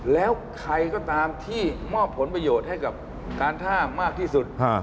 แล้วใครก็ตามที่มอบผลประโยชน์ให้กับการท่ามากที่สุด